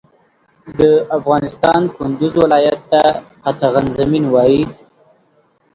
د افغانستان کندوز ولایت ته قطغن زمین وایی